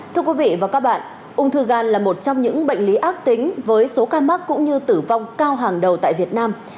thưa quý vị và các bạn ung thư gan là một trong những bệnh lý ác tính với số ca mắc cũng như tử vong cao hàng đầu tại việt nam